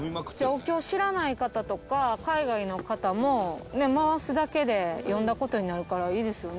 お経を知らない方とか海外の方も回すだけで読んだ事になるからいいですよね。